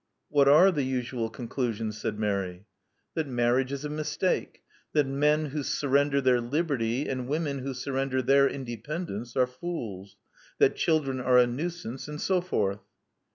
"What are the usual conclusions?" said Mary. "That marriage is a mistake. That men who surrender their liberty, and women who surrender their independence, are fools. That children are a nuisance. And so forth."